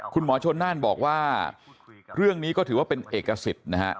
คุณหมอชนน่านบอกว่าเรื่องนี้ก็ถือว่าเป็นเอกสิทธิ์นะฮะ